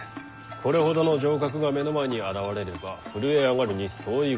これほどの城郭が目の前に現れれば震え上がるに相違ございませぬ。